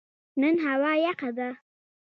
نن هوا یخه ده